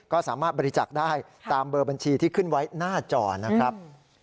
ก็สามารถบริจักษ์ได้ตามเบอร์บัญชีที่ขึ้นไว้หน้าจอนะครับ